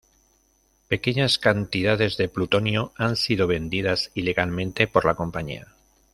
Pequeñas cantidades de plutonio han sido vendidas ilegalmente por la compañía.